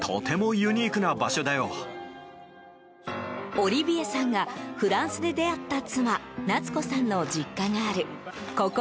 オリヴィエさんがフランスで出会った妻・菜都子さんの実家があるここ